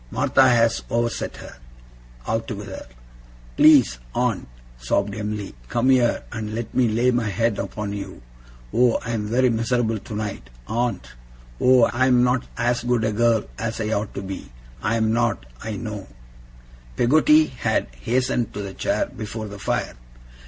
'Martha has overset her, altogether.' 'Please, aunt,' sobbed Em'ly, 'come here, and let me lay my head upon you. Oh, I am very miserable tonight, aunt! Oh, I am not as good a girl as I ought to be. I am not, I know!' Peggotty had hastened to the chair before the fire.